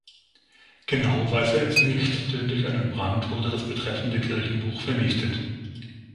Genau weiß er es nicht, denn durch einen Brand wurde das betreffende Kirchenbuch vernichtet.